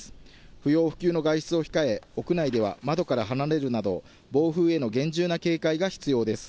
不要不急の外出を控え、屋内では窓から離れるなど、暴風への厳重な警戒が必要です。